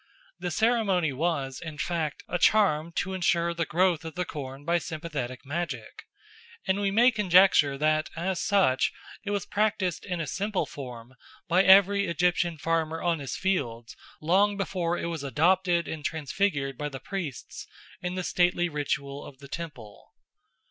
The ceremony was, in fact, a charm to ensure the growth of the corn by sympathetic magic, and we may conjecture that as such it was practised in a simple form by every Egyptian farmer on his fields long before it was adopted and transfigured by the priests in the stately ritual of the temple.